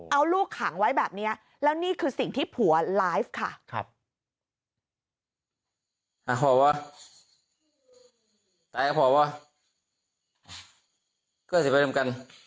เอาลูกขังไว้แบบนี้แล้วนี่คือสิ่งที่ผัวไลฟ์ค่ะ